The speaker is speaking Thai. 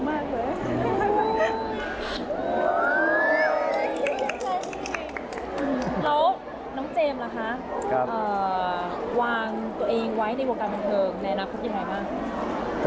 พบวางตัวเองไว้ในโวครับแบนเฟิร์นและแนะนำพวกเรามา